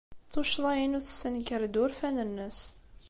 Tuccḍa-inu tessenker-d urfan-nnes.